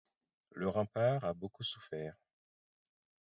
Le rempart a beaucoup souffert.